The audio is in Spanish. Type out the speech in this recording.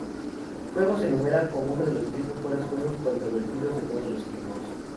Juegos enumeran como uno de los diez mejores juegos controvertidos de todos los tiempos.